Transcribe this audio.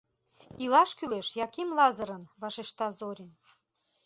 — Илаш кӱлеш, Яким Лазырын, — вашешта Зорин.